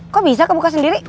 kok bisa kebuka sendiri